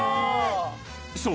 ［そう。